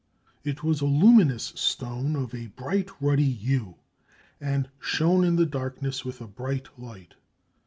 It was a luminous stone of a bright ruddy hue, and shone in the darkness with a bright light.